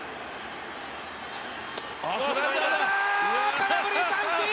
空振り三振！